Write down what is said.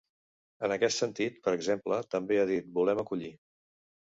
En aquest sentit, per exemple, també ha dit ‘volem acollir’.